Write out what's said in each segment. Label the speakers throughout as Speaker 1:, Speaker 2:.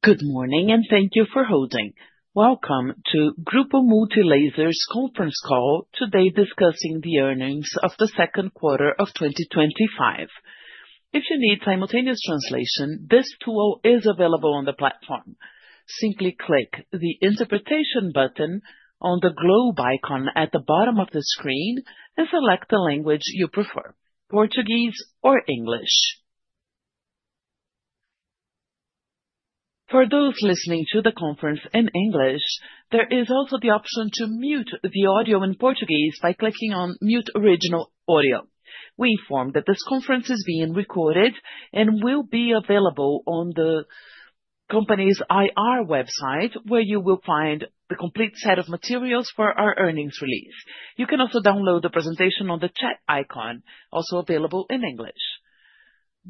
Speaker 1: Good morning and thank you for holding. Welcome to Grupo Multilaser's conference call today discussing the earnings of the second quarter of 2025. If you need simultaneous translation, this tool is available on the platform. Simply click the interpretation button on the globe icon at the bottom of the screen and select the language you prefer: Portuguese or English. For those listening to the conference in English, there is also the option to mute the audio in Portuguese by clicking on "Mute original audio." We inform that this conference is being recorded and will be available on the company's IR website, where you will find the complete set of materials for our earnings release. You can also download the presentation on the chat icon, also available in English.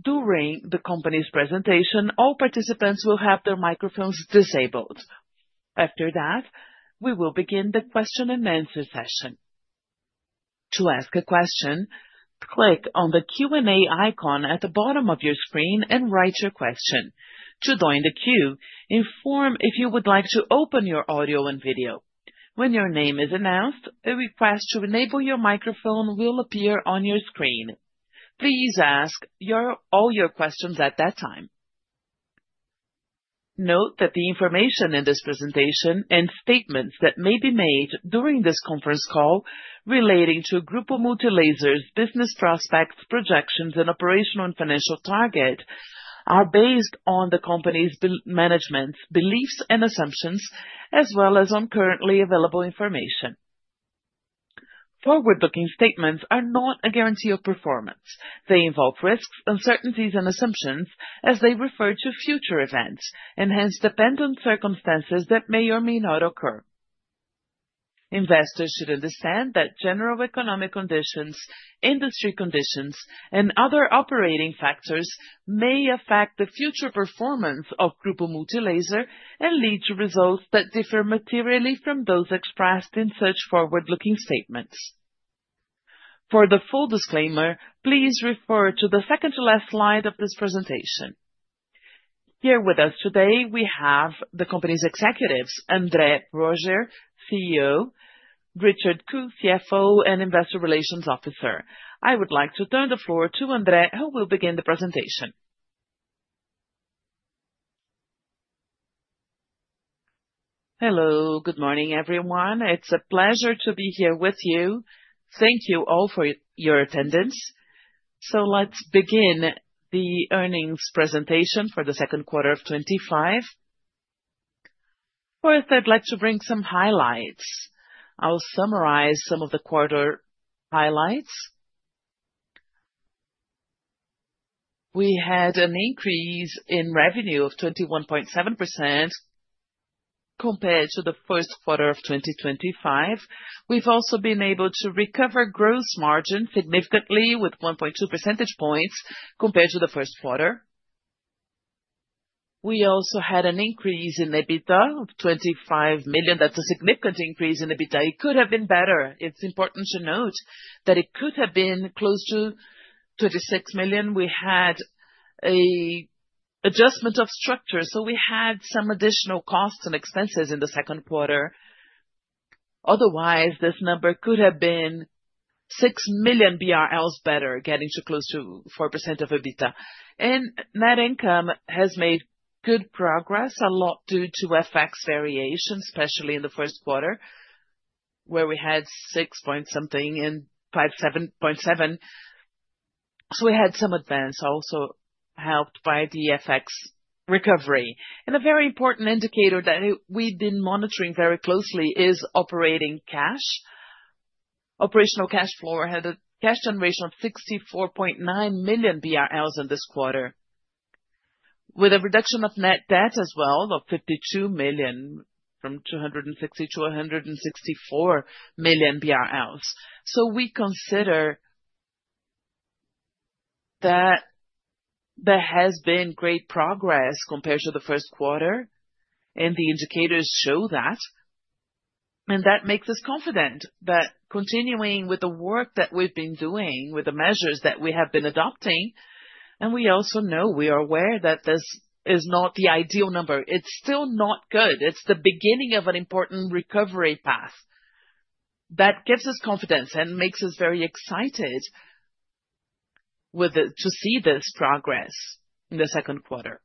Speaker 1: During the company's presentation, all participants will have their microphones disabled. After that, we will begin the question and answer session. To ask a question, click on the Q&A icon at the bottom of your screen and write your question. To join the queue, inform if you would like to open your audio and video. When your name is announced, a request to enable your microphone will appear on your screen. Please ask all your questions at that time. Note that the information in this presentation and statements that may be made during this conference call relating to Grupo Multilaser's business prospects, projections, and operational and financial targets are based on the company's management's beliefs and assumptions, as well as on currently available information. Forward-looking statements are not a guarantee of performance. They involve risks, uncertainties, and assumptions as they refer to future events and hence depend on circumstances that may or may not occur. Investors should understand that general economic conditions, industry conditions, and other operating factors may affect the future performance of Grupo Multilaser and lead to results that differ materially from those expressed in such forward-looking statements. For the full disclaimer, please refer to the second to last slide of this presentation. Here with us today, we have the company's executives: André Poroger, CEO, Richard Ku, CFO, and Investor Relations Officer. I would like to turn the floor to André, who will begin the presentation.
Speaker 2: Hello, good morning, everyone. It's a pleasure to be here with you. Thank you all for your attendance. Let's begin the earnings presentation for the second quarter of 2025. First, I'd like to bring some highlights. I'll summarize some of the quarter highlights. We had an increase in revenue of 21.7% compared to the first quarter of 2025. We've also been able to recover gross margin significantly with 1.2 percentage points compared to the first quarter. We also had an increase in EBITDA of 25 million. That's a significant increase in EBITDA. It could have been better. It's important to note that it could have been close to 26 million. We had an adjustment of structure, so we had some additional costs and expenses in the second quarter. Otherwise, this number could have been 6 million BRL better, getting to close to 4% of EBITDA. Net income has made good progress a lot due to FX variation, especially in the first quarter where we had 6-point-something and 7.7. We had some advance also helped by the FX recovery. A very important indicator that we've been monitoring very closely is operating cash. Operational cash flow had a cash generation of 64.9 in this quarter, with a reduction of net debt as well of 52 million from 260 million to 164 million BRL. We consider that there has been great progress compared to the first quarter, and the indicators show that. That makes us confident that continuing with the work that we've been doing, with the measures that we have been adopting, we also know we are aware that this is not the ideal number. It's still not good. It's the beginning of an important recovery path. That gives us confidence and makes us very excited to see this progress in the second quarter.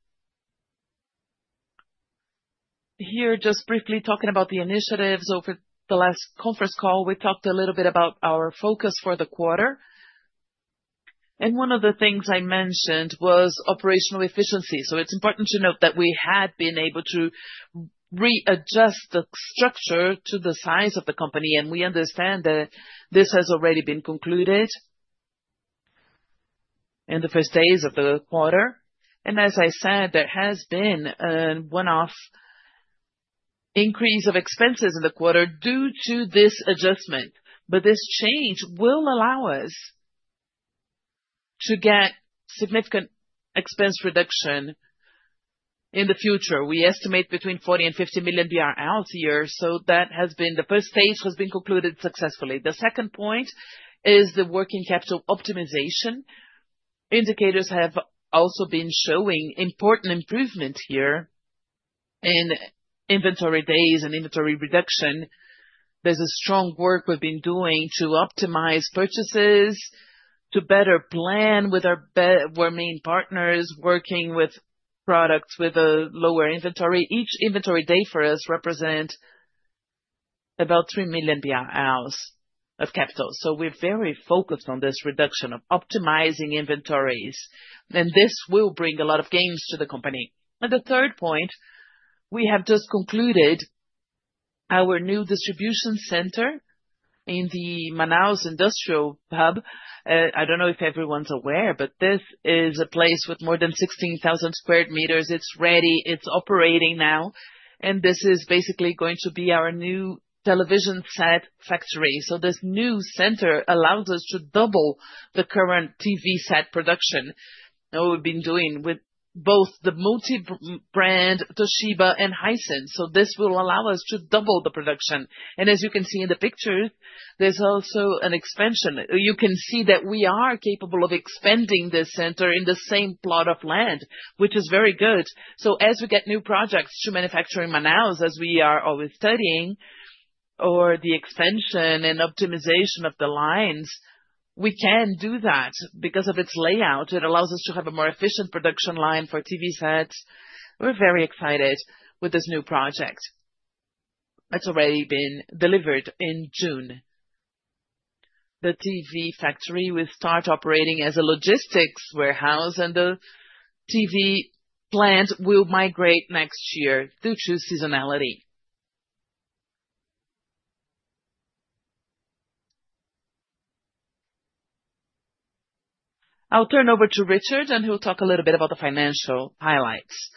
Speaker 2: Here, just briefly talking about the initiatives over the last conference call, we talked a little bit about our focus for the quarter. One of the things I mentioned was operational efficiency. It's important to note that we had been able to readjust the structure to the size of the company, and we understand that this has already been concluded in the first days of the quarter. As I said, there has been a one-off increase of expenses in the quarter due to this adjustment. This change will allow us to get significant expense reduction in the future. We estimate between 40 million and 50 million BRL a year. That has been the first stage has been concluded successfully. The second point is the working capital optimization. Indicators have also been showing important improvements here in inventory days and inventory reduction. There's a strong work we've been doing to optimize purchases, to better plan with our main partners, working with products with a lower inventory. Each inventory day for us represents about 3 million BRL of capital. We're very focused on this reduction of optimizing inventories, and this will bring a lot of gains to the company. The third point, we have just concluded our new distribution center in the Manaus Industrial Hub. I don't know if everyone's aware, but this is a place with more than 16,000 m^2. It's ready. It's operating now. This is basically going to be our new television set factory. This new center allows us to double the current TV set production that we've been doing with both the multi-brand Toshiba and Hisense. This will allow us to double the production. As you can see in the pictures, there's also an expansion. You can see that we are capable of expanding this center in the same plot of land, which is very good. As we get new projects to manufacture in Manaus, as we are always studying, or the expansion and optimization of the lines, we can do that because of its layout. It allows us to have a more efficient production line for TV sets. We're very excited with this new project that's already been delivered in June. The TV factory will start operating as a logistics warehouse, and the TV plant will migrate next year due to seasonality. I'll turn over to Richard, and he'll talk a little bit about the financial highlights.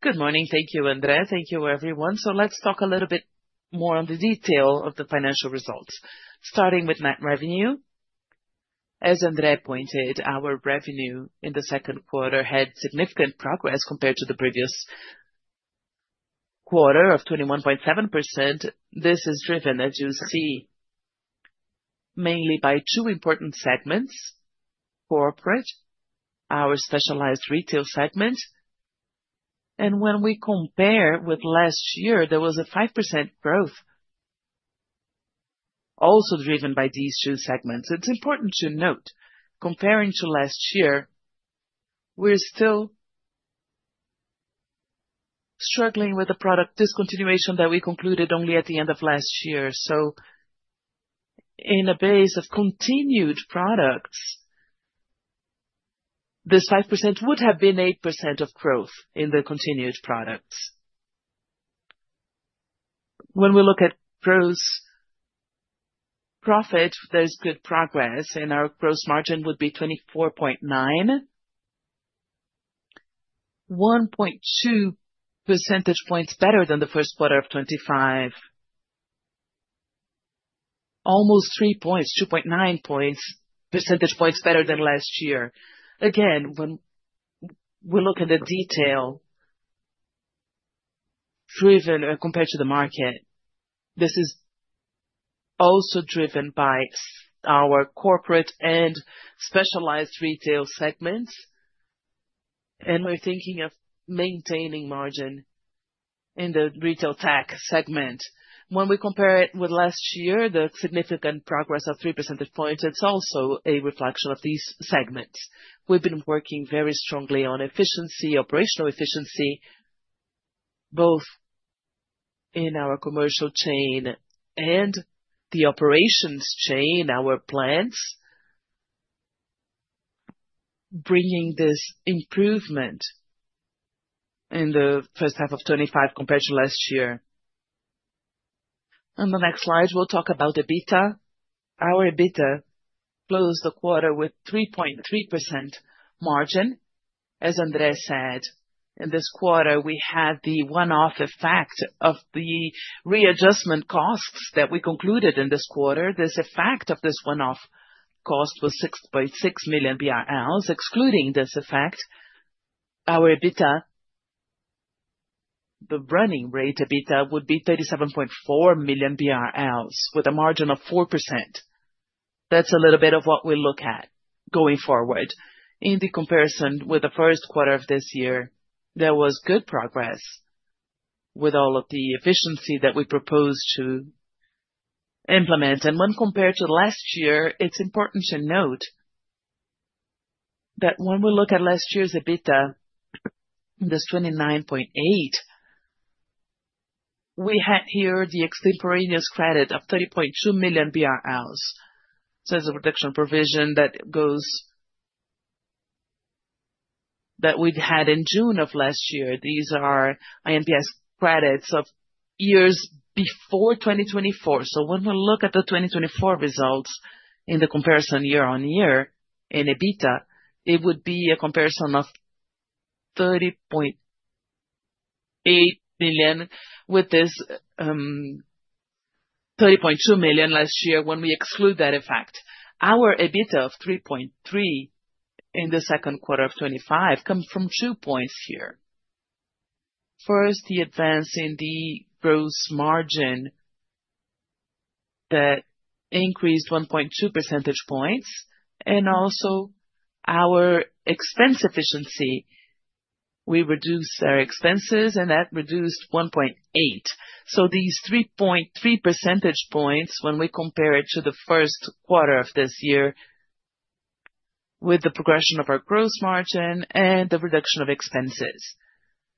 Speaker 3: Good morning. Thank you, André. Thank you, everyone. Let's talk a little bit more on the detail of the financial results, starting with net revenue. As André pointed, our revenue in the second quarter had significant progress compared to the previous quarter of 21.7%. This is driven, as you see, mainly by two important segments: corporate, our specialized retail segment. When we compare with last year, there was a 5% growth also driven by these two segments. It's important to note, comparing to last year, we're still struggling with the product discontinuation that we concluded only at the end of last year. In a base of continued products, this 5% would have been 8% of growth in the continued product. When we look at gross profit, there's good progress, and our gross margin would be 24.9%, 1.2 percentage points better than the first quarter of 2025. Almost 3 points, 2.9 percentage points better than last year. Again, when we look at the detail driven compared to the market, this is also driven by our corporate and specialized retail segments. We're thinking of maintaining margin in the retail tech segment. When we compare it with last year, the significant progress of 3 percentage points is also a reflection of these segments. We've been working very strongly on efficiency, operational efficiency, both in our commercial chain and the operations chain, our plants, bringing this improvement in the first half of 2025 compared to last year. On the next slide, we'll talk about EBITDA. Our EBITDA closed the quarter with 3.3% margin. As André said, in this quarter, we had the one-off effect of the readjustment costs that we concluded in this quarter. This effect of this one-off cost was 6.6 million BRL. Excluding this effect, our EBITDA, the running rate EBITDA would be 37.4 million BRL with a margin of 4%. That's a little bit of what we look at going forward. In the comparison with the first quarter of this year, there was good progress with all of the efficiency that we proposed to implement. When compared to last year, it's important to note that when we look at last year's EBITDA, this 29.8 million, we had here the extemporaneous credit of 30.2 million BRL. As a production provision that we had in June of last year, these are INPS credits of years before 2024. When we look at the 2024 results in the comparison year-on-year in EBITDA, it would be a comparison of 30.8 million with this 30.2 million last year when we exclude that effect. Our EBITDA of 3.3 percentage points in the second quarter of 2025 comes from two points here. First, the advance in the gross margin that increased 1.2 percentage points. Also, our expense efficiency. We reduced our expenses, and that reduced 1.8. These 3.3 percentage points, when we compare it to the first quarter of this year with the progression of our gross margin and the reduction of expenses.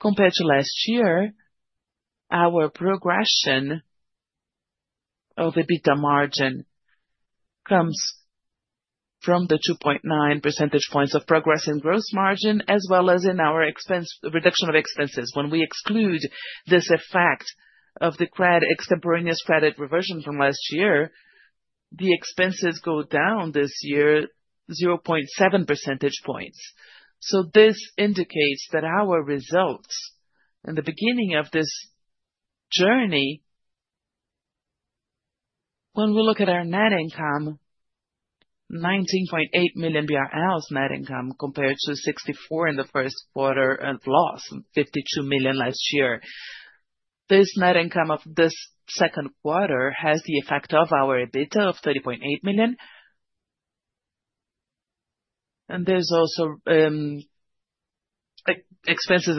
Speaker 3: Compared to last year, our progression of EBITDA margin comes from the 2.9 percentage points of progress in gross margin, as well as in our reduction of expenses. When we exclude this effect of the extemporaneous credit reversion from last year, the expenses go down this year 0.7 percentage points. This indicates that our results in the beginning of this journey, when we look at our net income, 19.8 million BRL net income compared to 64 million in the first quarter of loss, 52 million last year. This net income of this second quarter has the effect of our EBITDA of 30.8 million. There's also expenses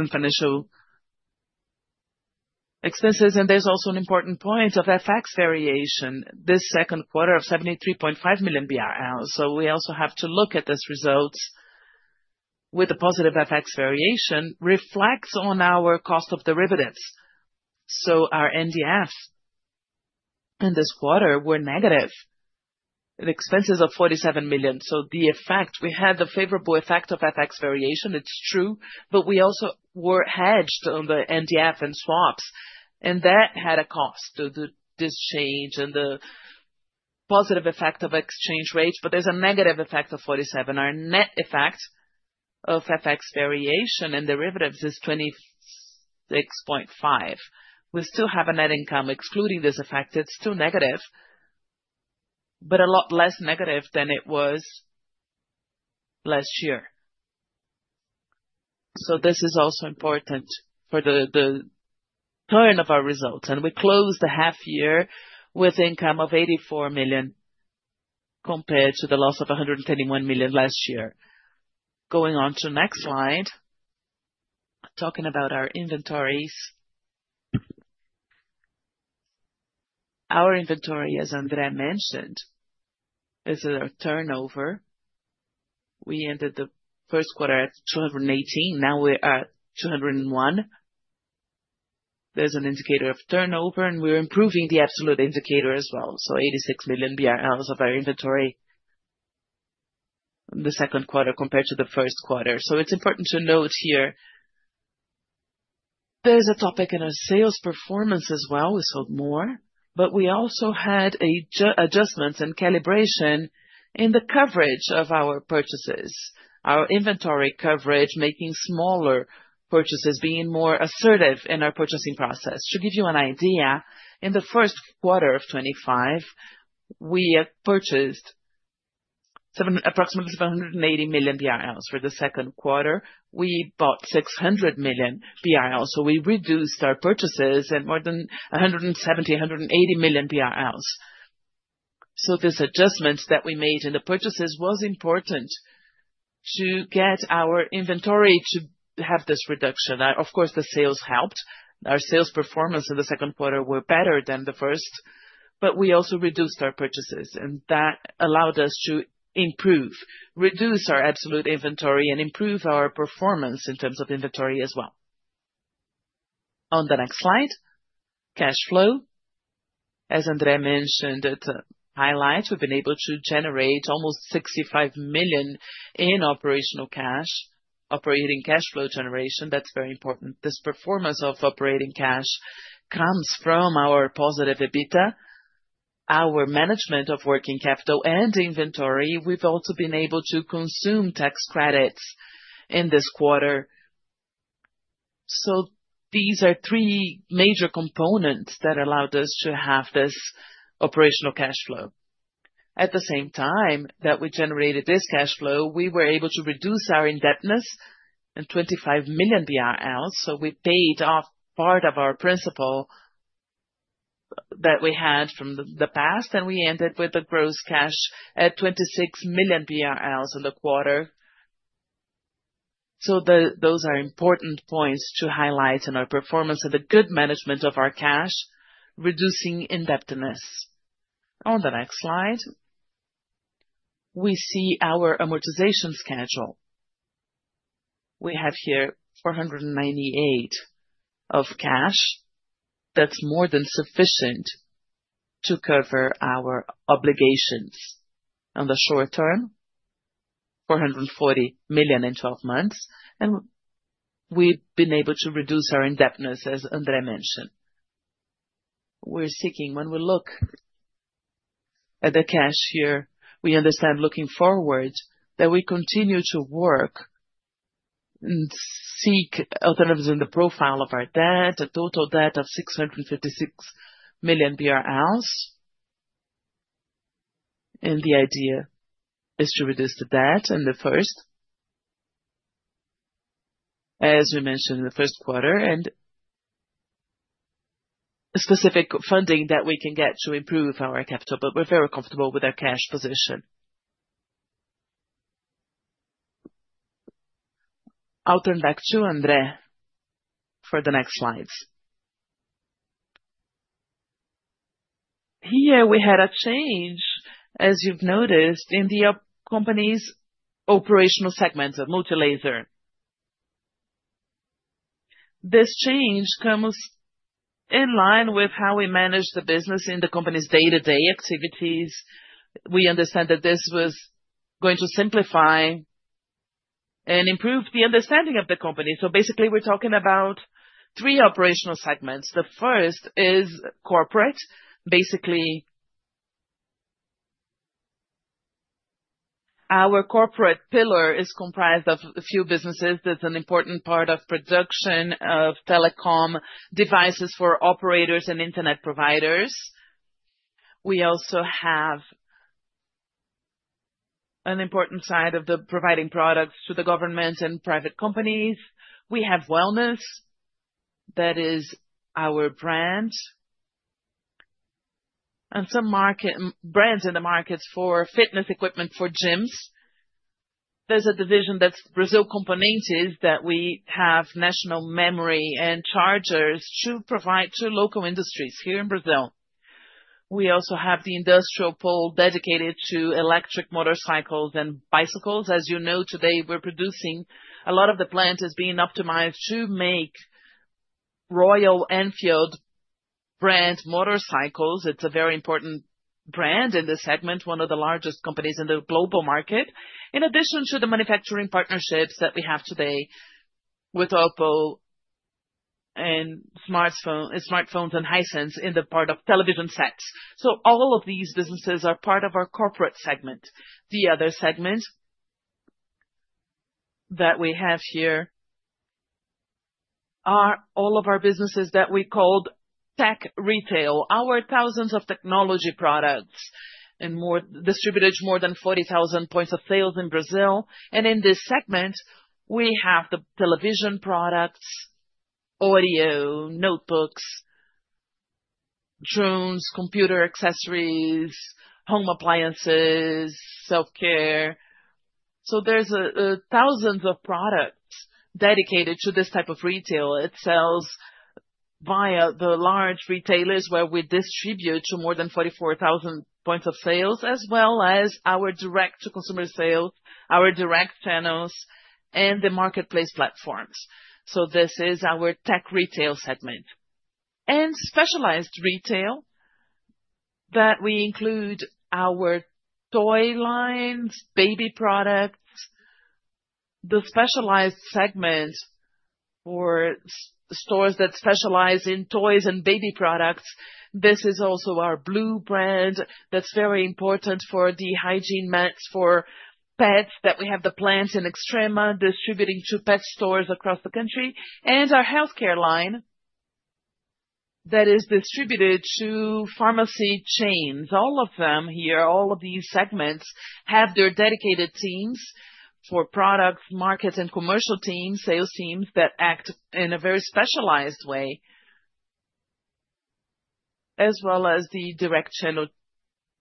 Speaker 3: and financial expenses. There's also an important point of FX variation. This second quarter of 73.5 million BRL. We also have to look at this result with a positive FX variation that reflects on our cost of derivatives. Our NDF in this quarter were negative in expenses of 47 million. The effect, we had the favorable effect of FX variation. It's true, but we also were hedged on the NDF and swaps. That had a cost due to this change and the positive effect of exchange rates. There's a negative effect of 47 million. Our net effect of FX variation and derivatives is 26.5 million. We still have a net income, excluding this effect. It's still negative, but a lot less negative than it was last year. This is also important for the turn of our results. We closed the half year with an income of 84 million compared to the loss of 131 million last year. Going on to the next slide, talking about our inventories. Our inventory, as André mentioned, is our turnover. We ended the first quarter at 218 million. Now we're at 201 million. There's an indicator of turnover, and we're improving the absolute indicator as well. 86 million BRL of our inventory in the second quarter compared to the first quarter. It's important to note here, there's a topic in our sales performance as well. We sold more, but we also had adjustments and calibration in the coverage of our purchases. Our inventory coverage making smaller purchases, being more assertive in our purchasing process. To give you an idea, in the first quarter of 2025, we purchased approximately 780 million. For the second quarter, we bought 600 million. We reduced our purchases by more than 170 million, 180 million. This adjustment that we made in the purchases was important to get our inventory to have this reduction. Of course, the sales helped. Our sales performance in the second quarter was better than the first, but we also reduced our purchases. That allowed us to improve, reduce our absolute inventory, and improve our performance in terms of inventory as well. On the next slide, cash flow. As André mentioned, it's a highlight. We've been able to generate almost 65 million in operational cash. Operating cash flow generation, that's very important. This performance of operating cash comes from our positive EBITDA, our management of working capital, and inventory. We've also been able to consume tax credits in this quarter. These are three major components that allowed us to have this operational cash flow. At the same time that we generated this cash flow, we were able to reduce our indebtedness by 25 million BRL. We paid off part of our principal that we had from the past, and we ended with a gross cash at 26 million BRL in the quarter. Those are important points to highlight in our performance and the good management of our cash, reducing indebtedness. On the next slide, we see our amortization schedule. We have here 498 million of cash. That's more than sufficient to cover our obligations in the short term, 440 million in 12 months. We've been able to reduce our indebtedness, as André mentioned. We're seeking, when we look at the cash here, we understand looking forward that we continue to work and seek alternatives in the profile of our debt, a total debt of 656 million BRL. The idea is to reduce the debt in the first, as we mentioned, in the first quarter, and specific funding that we can get to improve our capital. We're very comfortable with our cash position. I'll turn back to André for the next slides.
Speaker 2: Here, we had a change, as you've noticed, in the company's operational segments of Multilaser. This change comes in line with how we manage the business in the company's day-to-day activities. We understand that this was going to simplify and improve the understanding of the company. Basically, we're talking about three operational segments. The first is corporate. Basically, our corporate pillar is comprised of a few businesses. That's an important part of production of telecom devices for operators and Internet providers. We also have an important side of providing products to the government and private companies. We have wellness. That is our brand and some brands in the markets for fitness equipment for gyms. There's a division that's Brasil Componentes that we have national memory and chargers to provide to local industries here in Brazil. We also have the industrial pole dedicated to electric motorcycles and bicycles. As you know, today, we're producing a lot of the plant is being optimized to make Royal Enfield brand motorcycles. It's a very important brand in this segment, one of the largest companies in the global market. In addition to the manufacturing partnerships that we have today with Oppo in smartphones and Hisense in the part of television sets. All of these businesses are part of our corporate segment. The other segments that we have here are all of our businesses that we call tech retail. Our thousands of technology products and more are distributed to more than 40,000 points of sales in Brazil. In this segment, we have the television products, audio, notebooks, drones, computer accessories, home appliances, self-care. There are thousands of products dedicated to this type of retail. It sells via the large retailers where we distribute to more than 44,000 points of sales, as well as our direct-to-consumer sales, our direct channels, and the marketplace platforms. This is our tech retail segment. In specialized retail, we include our toy lines, baby products, the specialized segment for stores that specialize in toys and baby products. This is also our Blue brand that's very important for the hygiene meds for pets, and we have the plants in Extrema distributing to pet stores across the country, and our healthcare line that is distributed to pharmacy chains. All of these segments have their dedicated teams for products, markets, and commercial teams, sales teams that act in a very specialized way, as well as the direct channel,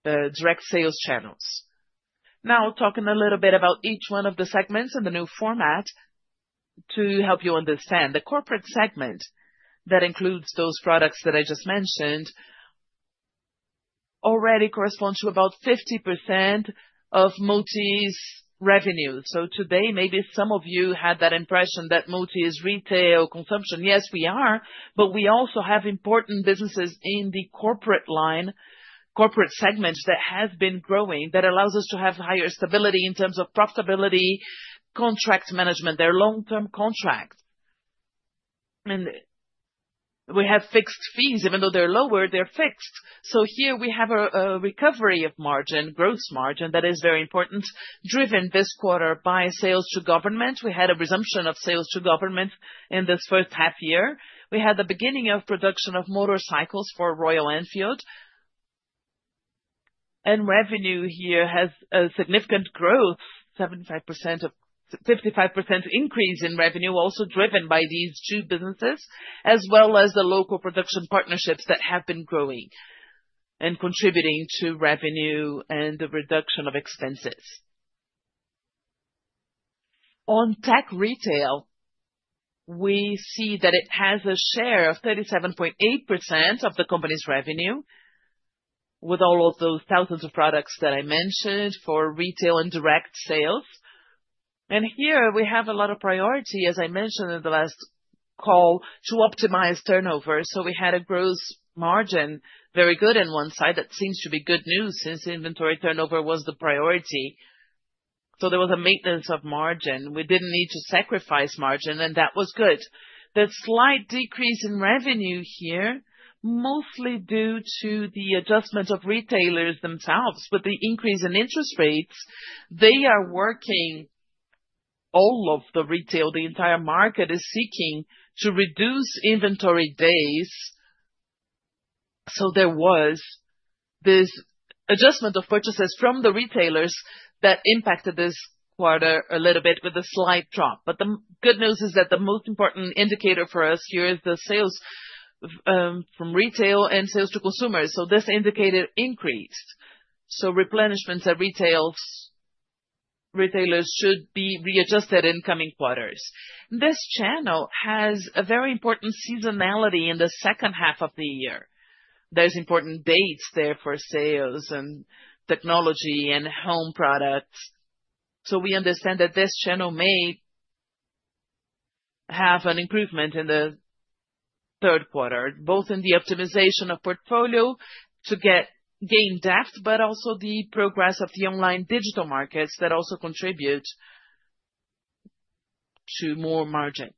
Speaker 2: direct sales channels. Now, talking a little bit about each one of the segments and the new format to help you understand. The corporate segment that includes those products that I just mentioned already corresponds to about 50% of Multi's revenue. Today, maybe some of you had that impression that Multi is retail consumption. Yes, we are, but we also have important businesses in the corporate line, corporate segments that have been growing that allow us to have higher stability in terms of profitability, contract management, their long-term contract. We have fixed fees. Even though they're lower, they're fixed. Here, we have a recovery of margin, gross margin that is very important, driven this quarter by sales to government. We had a resumption of sales to government in this first half year. We had the beginning of production of motorcycles for Royal Enfield. Revenue here has a significant growth, 55% increase in revenue, also driven by these two businesses, as well as the local production partnerships that have been growing and contributing to revenue and the reduction of expenses. On tech retail, we see that it has a share of 37.8% of the company's revenue with all of those thousands of products that I mentioned for retail and direct sales. Here, we have a lot of priority, as I mentioned in the last call, to optimize turnover. We had a gross margin very good on one side. That seems to be good news since inventory turnover was the priority. There was a maintenance of margin. We didn't need to sacrifice margin, and that was good. The slight decrease in revenue here is mostly due to the adjustments of retailers themselves. With the increase in interest rates, they are working all of the retail, the entire market is seeking to reduce inventory days. There was this adjustment of purchases from the retailers that impacted this quarter a little bit with a slight drop. The good news is that the most important indicator for us here is the sales from retail and sales to consumers. This indicated increase. Replenishments at retailers should be readjusted in coming quarters. This channel has a very important seasonality in the second half of the year. There are important dates there for sales and technology and home products. We understand that this channel may have an improvement in the third quarter, both in the optimization of portfolio to gain depth, but also the progress of the online digital markets that also contribute to more margin.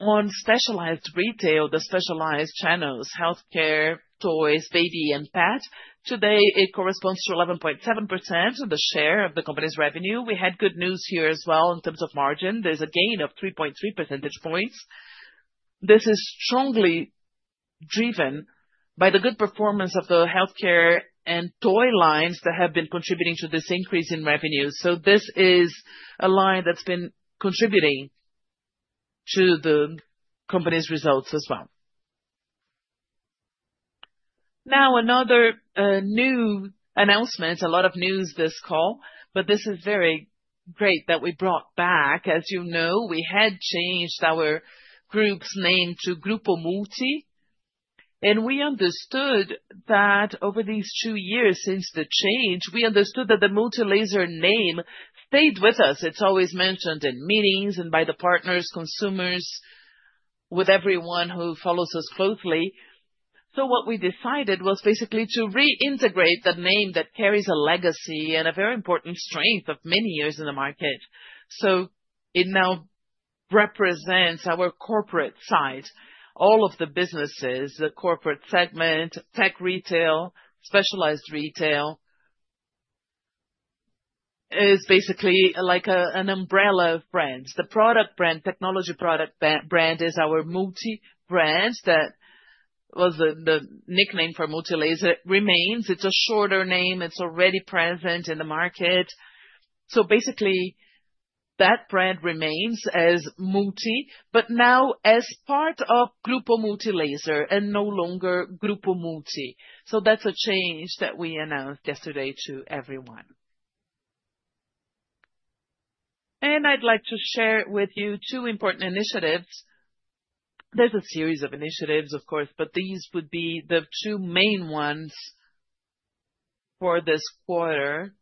Speaker 2: On specialized retail, the specialized channels, healthcare, toys, baby, and pet, today it corresponds to 11.7% of the share of the company's revenue. We had good news here as well in terms of margin. There's a gain of 3.3 percentage points. This is strongly driven by the good performance of the healthcare and toy lines that have been contributing to this increase in revenue. This is a line that's been contributing to the company's results as well. Now, another new announcement, a lot of news this call, but this is very great that we brought back. As you know, we had changed our group's name to Grupo Multi, and we understood that over these two years since the change, we understood that the Multilaser name stayed with us. It's always mentioned in meetings and by the partners, consumers, with everyone who follows us closely. What we decided was basically to reintegrate the name that carries a legacy and a very important strength of many years in the market. It now represents our corporate side. All of the businesses, the corporate segment, tech retail, specialized retail is basically like an umbrella of brands. The product brand, technology product brand is our Multi brand that was the nickname for Multilaser. It remains. It's a shorter name. It's already present in the market. Basically, that brand remains as Multi, but now as part of Grupo Multilaser and no longer Grupo Multi. That's a change that we announced yesterday to everyone. I'd like to share with you two important initiatives. There's a series of initiatives, of course, but these would be the two main ones for this quarter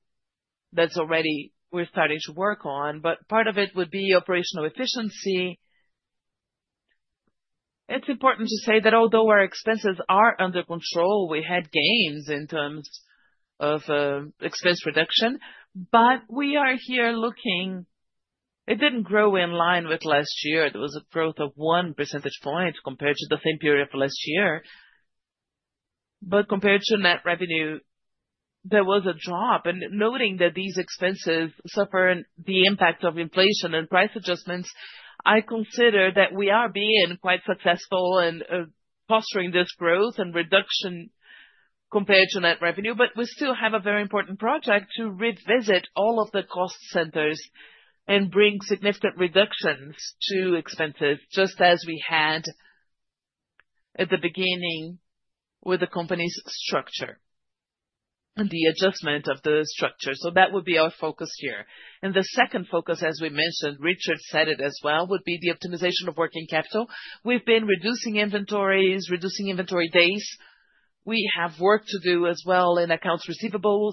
Speaker 2: that's already we're starting to work on. Part of it would be operational efficiency. It's important to say that although our expenses are under control, we had gains in terms of expense reduction. We are here looking, it didn't grow in line with last year. There was a growth of one perecntage point compared to the same period for last year. Compared to net revenue, there was a drop. Noting that these expenses suffer the impact of inflation and price adjustments, I consider that we are being quite successful in posturing this growth and reduction compared to net revenue. We still have a very important project to revisit all of the cost centers and bring significant reductions to expenses, just as we had at the beginning with the company's structure and the adjustment of the structure. That would be our focus here. The second focus, as we mentioned, Richard said it as well, would be the optimization of working capital. We've been reducing inventories, reducing inventory days. We have work to do as well in accounts receivables.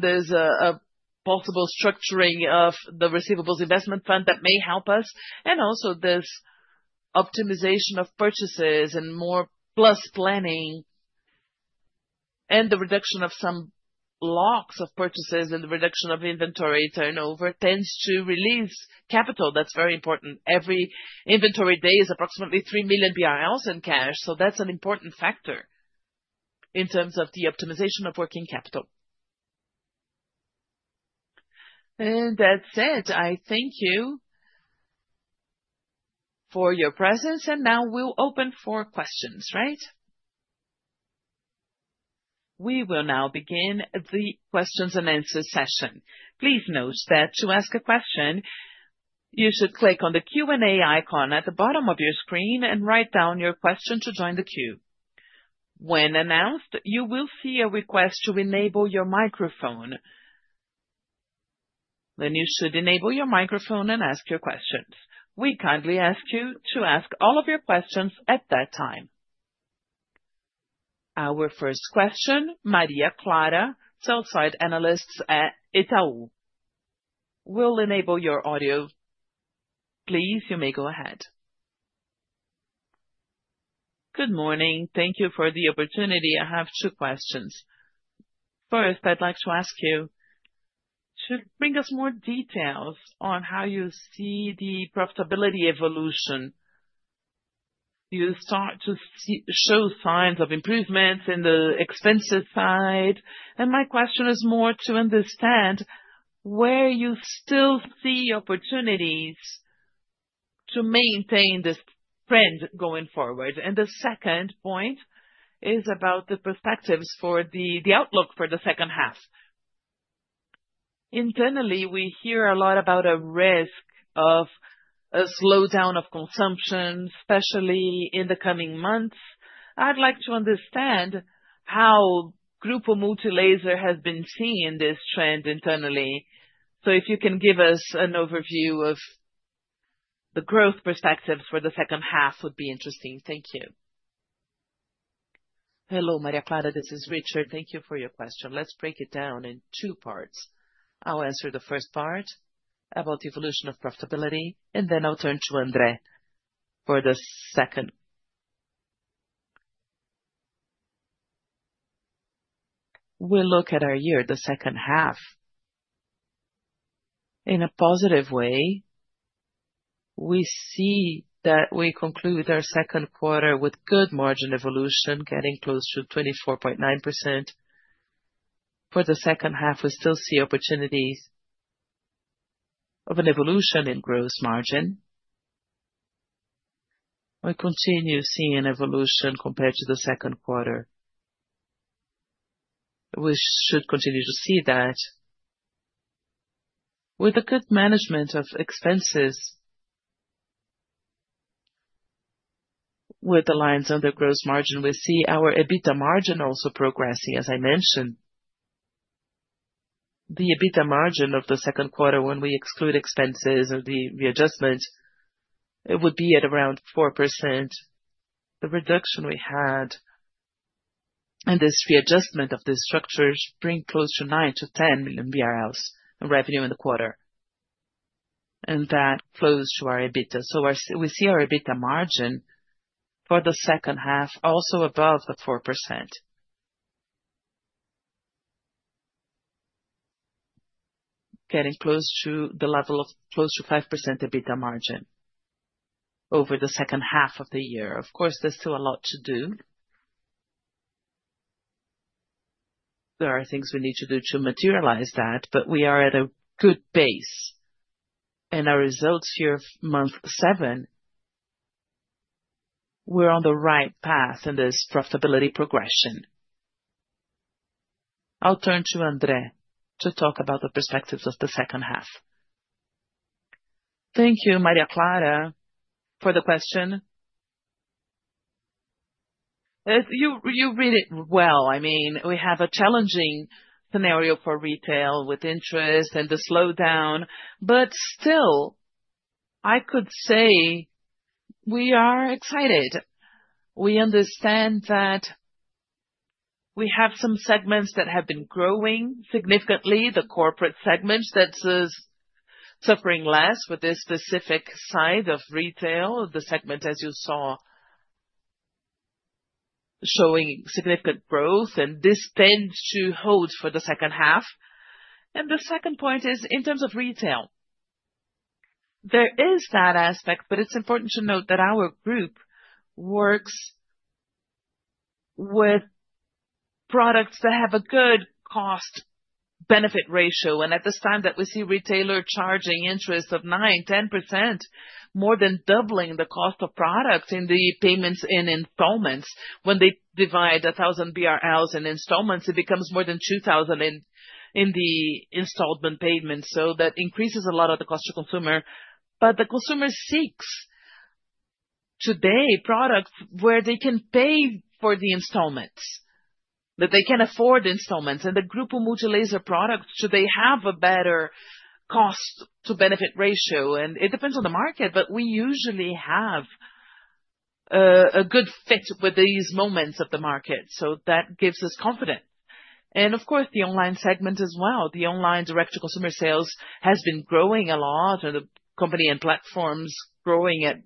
Speaker 2: There's a possible structuring of the receivables investment fund that may help us. Also, this optimization of purchases and more plus planning and the reduction of some locks of purchases and the reduction of inventory turnover tends to release capital. That's very important. Every inventory day is approximately 3 million BRL in cash. That's an important factor in terms of the optimization of working capital. That said, I thank you for your presence. Now we'll open for questions, right?
Speaker 1: We will now begin the questions and answer session. Please note that to ask a question, you should click on the Q&A icon at the bottom of your screen and write down your question to join the queue. When announced, you will see a request to enable your microphone. You should enable your microphone and ask your questions. We kindly ask you to ask all of your questions at that time. Our first question, Maria Clara, sell-side analyst at Itaú. We'll enable your audio, please. You may go ahead.
Speaker 4: Good morning. Thank you for the opportunity. I have two questions. First, I'd like to ask you to bring us more details on how you see the profitability evolution. You start to show signs of improvements in the expense side. My question is more to understand where you still see opportunities to maintain this trend going forward. The second point is about the perspectives for the outlook for the second half. Internally, we hear a lot about a risk of a slowdown of consumption, especially in the coming months. I'd like to understand how Grupo Multilaser has been seeing this trend internally. If you can give us an overview of the growth perspectives for the second half, it would be interesting. Thank you.
Speaker 3: Hello, Maria Clara. This is Richard. Thank you for your question. Let's break it down in two parts. I'll answer the first part about the evolution of profitability, and then I'll turn to André for the second. We look at our year, the second half. In a positive way, we see that we conclude our second quarter with good margin evolution, getting close to 24.9%. For the second half, we still see opportunities of an evolution in gross margin. We continue seeing an evolution compared to the second quarter. We should continue to see that with a good management of expenses. With the lines under gross margin, we see our EBITDA margin also progressing. As I mentioned, the EBITDA margin of the second quarter, when we exclude expenses and the readjustments, it would be at around 4%. The reduction we had and this readjustment of the structures bring close to 9 million-10 million BRL in revenue in the quarter. That flows to our EBITDA. We see our EBITDA margin for the second half also above the 4%, getting close to the level of close to 5% EBITDA margin over the second half of the year. Of course, there's still a lot to do. There are things we need to do to materialize that, but we are at a good base. Our results here of month seven, we're on the right path in this profitability progression. I'll turn to André to talk about the perspectives of the second half.
Speaker 2: Thank you, Maria Clara, for the question. You read it well. I mean, we have a challenging scenario for retail with interest and the slowdown. Still, I could say we are excited. We understand that we have some segments that have been growing significantly, the corporate segments that are suffering less with this specific side of retail, the segment, as you saw, showing significant growth. This tends to hold for the second half. The second point is in terms of retail. There is that aspect, but it's important to note that our group works with products that have a good cost-benefit ratio. At this time that we see retailers charging interest of 9%, 10%, more than doubling the cost of products in the payments and installments. When they divide 1,000 BRL in installments, it becomes more than 2,000 in the installment payments. That increases a lot of the cost to consumer. The consumer seeks today products where they can pay for the installments, that they can afford the installments. The Grupo Multilaser products, do they have a better cost-to-benefit ratio? It depends on the market, but we usually have a good fit with these moments of the market. That gives us confidence. Of course, the online segment as well. The online direct-to-consumer sales has been growing a lot, and the company and platforms growing at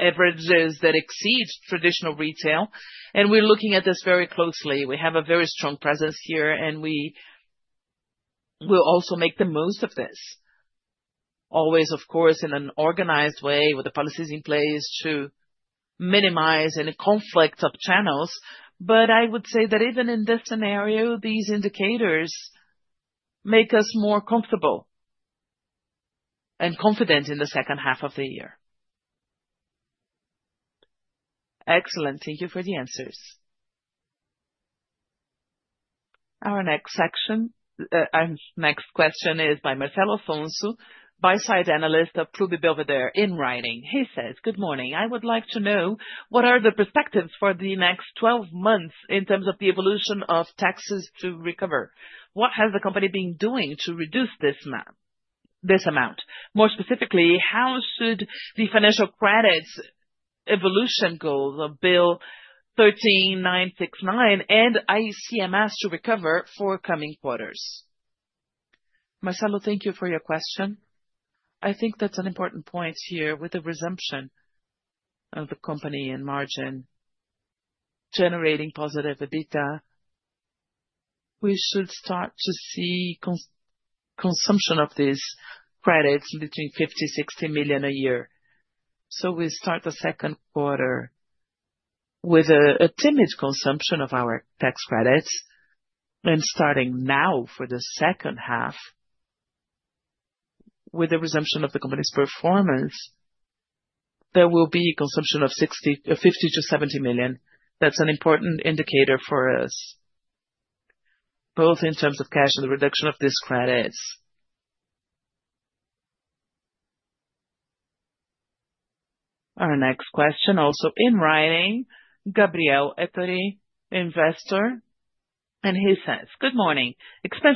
Speaker 2: averages that exceed traditional retail. We're looking at this very closely. We have a very strong presence here, and we will also make the most of this, always, of course, in an organized way with the policies in place to minimize any conflicts of channels. I would say that even in this scenario, these indicators make us more comfortable and confident in the second half of the year.
Speaker 4: Excellent. Thank you for the answers.
Speaker 1: Our next section, our next question is by Marcelo Alfonso, buy-side analyst at [Pluggie Belvedere] in writing. He says, "Good morning. I would like to know what are the perspectives for the next 12 months in terms of the evolution of taxes to recover? What has the company been doing to reduce this amount? More specifically, how should the financial credits evolution goals of Bill 13969 and ICMS to recover for coming quarters?"
Speaker 3: Marcelo, thank you for your question. I think that's an important point here with the resumption of the company and margin generating positive EBITDA. We should start to see consumption of these credits between 50 million, 60 million a year. We start the second quarter with a timid consumption of our tax credits. Starting now for the second half, with the resumption of the company's performance, there will be a consumption of 50 million-70 million. That's an important indicator for us, both in terms of cash and the reduction of these credits.
Speaker 1: Our next question, also in writing, Gabriel Etori, investor, and he says, "Good morning.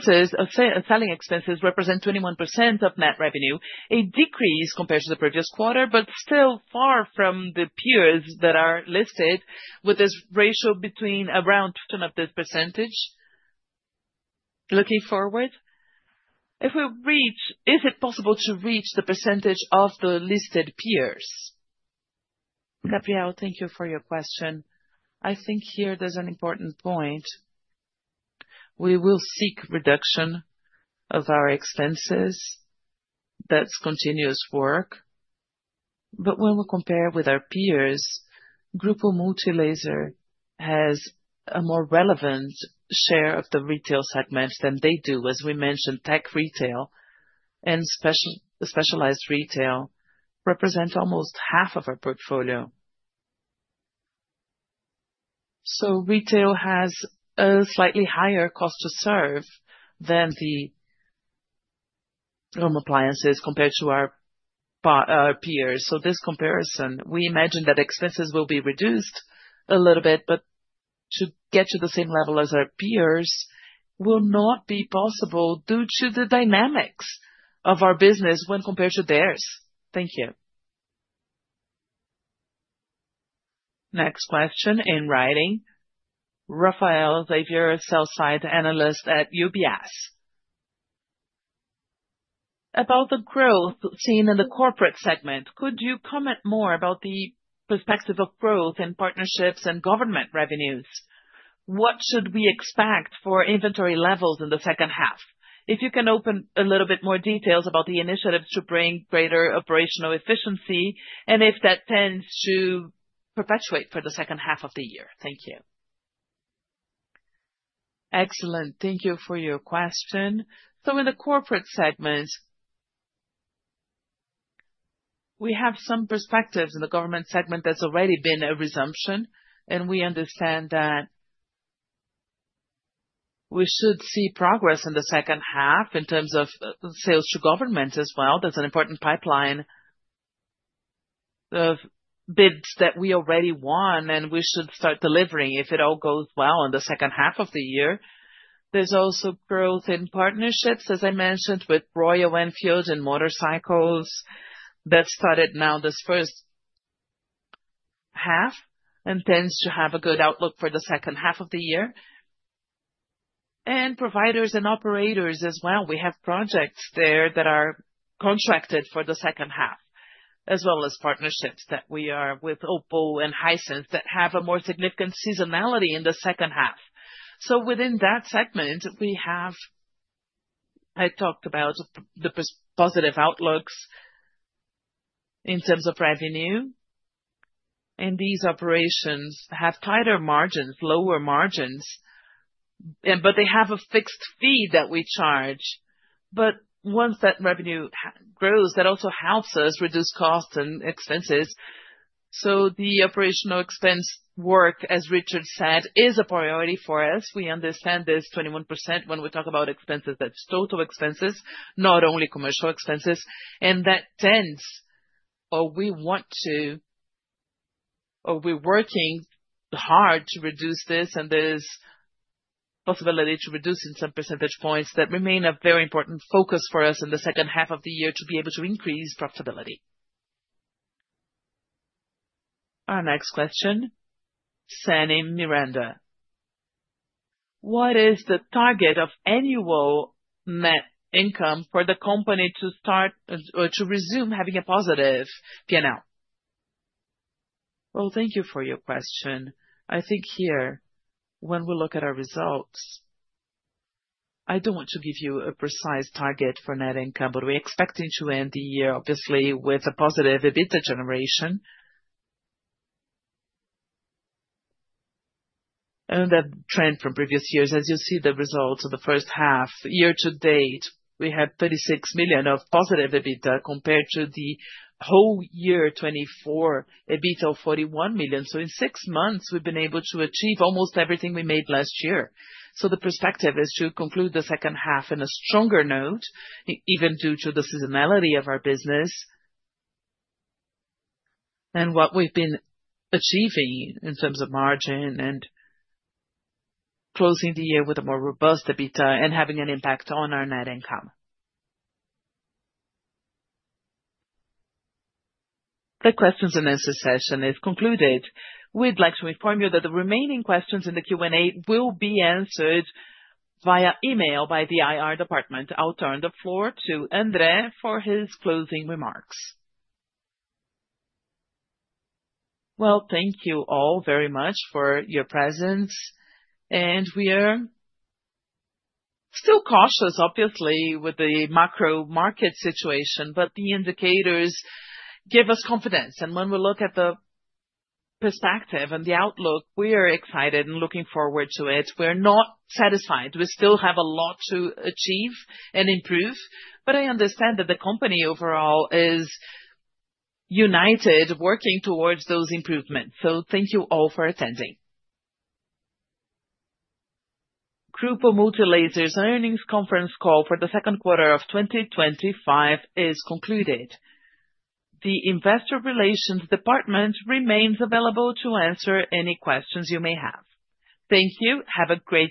Speaker 1: Selling expenses represent 21% of net revenue, a decrease compared to the previous quarter, but still far from the peers that are listed with this ratio around this percentage. Looking forward, is it possible to reach the percentage of the listed peers?"
Speaker 2: Gabriel, thank you for your question. I think here there's an important point. We will seek reduction of our expenses. That's continuous work. When we compare with our peers, Grupo Multilaser has a more relevant share of the retail segments than they do. As we mentioned, tech retail and specialized retail represent almost half of our portfolio. Retail has a slightly higher cost to serve than the home appliances compared to our peers. This comparison, we imagine that expenses will be reduced a little bit, but to get to the same level as our peers will not be possible due to the dynamics of our business when compared to theirs. Thank you.
Speaker 1: Next question in writing, Rafael Xavier, sell-side analyst at UBS. About the growth seen in the corporate segment, could you comment more about the perspective of growth in partnerships and government revenues? What should we expect for inventory levels in the second half? If you can open a little bit more details about the initiatives to bring greater operational efficiency and if that tends to perpetuate for the second half of the year. Thank you.
Speaker 2: Excellent. Thank you for your question. In the corporate segment, we have some perspectives in the government segment that's already been a resumption. We understand that we should see progress in the second half in terms of sales to governments as well. That's an important pipeline of bids that we already won, and we should start delivering if it all goes well in the second half of the year. There's also growth in partnerships, as I mentioned, with Royal Enfield and motorcycles that started now this first half and tends to have a good outlook for the second half of the year. Providers and operators as well. We have projects there that are contracted for the second half, as well as partnerships that we are with Oppo and Hisense that have a more significant seasonality in the second half. Within that segment, I talked about the positive outlooks in terms of revenue. These operations have tighter margins, lower margins, but they have a fixed fee that we charge. Once that revenue grows, that also helps us reduce costs and expenses. The operational expense work, as Richard said, is a priority for us. We understand this 21% when we talk about expenses. That's total expenses, not only commercial expenses. That tends, or we want to, or we're working hard to reduce this and there's a possibility to reduce in some percentage points that remain a very important focus for us in the second half of the year to be able to increase profitability.
Speaker 1: Our next question, Sanny Miranda. What is the target of annual net income for the company to start or to resume having a positive P&L?
Speaker 3: Thank you for your question. I think here, when we look at our results, I don't want to give you a precise target for net income, but we're expecting to end the year, obviously, with a positive EBITDA generation. That trend from previous years, as you see the results of the first half, year to date, we have 36 million of positive EBITDA compared to the whole year 2024, EBITDA of 41 million. In six months, we've been able to achieve almost everything we made last year. The perspective is to conclude the second half in a stronger note, even due to the seasonality of our business and what we've been achieving in terms of margin and closing the year with a more robust EBITDA and having an impact on our net income.
Speaker 1: The questions and answer session is concluded. We'd like to inform you that the remaining questions in the Q&A will be answered via email by the IR department. I'll turn the floor to André for his closing remarks.
Speaker 2: Thank you all very much for your presence. We are still cautious, obviously, with the macro market situation, but the indicators give us confidence. When we look at the perspective and the outlook, we are excited and looking forward to it. We're not satisfied. We still have a lot to achieve and improve. I understand that the company overall is united, working towards those improvements. Thank you all for attending.
Speaker 1: Grupo Multilaser's earnings conference call for the second quarter of 2025 is concluded. The Investor Relations Department remains available to answer any questions you may have. Thank you. Have a great day.